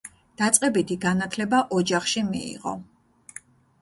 დაწყებითი განათლება ოჯახში მიიღო.